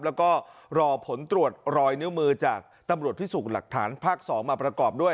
แล้วก็รอผลตรวจรอยนิ้วมือจากตำรวจพิสูจน์หลักฐานภาค๒มาประกอบด้วย